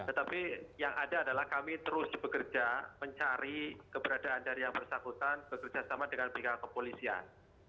tetapi yang ada adalah kami terus bekerja mencari keberadaan dari yang bersangkutan bekerjasama dengan pihak kepolisian